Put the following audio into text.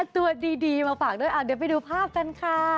ตัวดีมาฝากด้วยเดี๋ยวไปดูภาพกันค่ะ